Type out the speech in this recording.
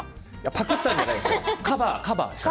パクったんじゃないです。